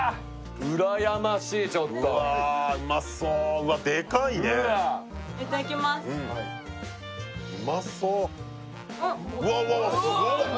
うらやましいちょっとうわうまそううわっでかいねいただきますうまそううわうわうわすごっ！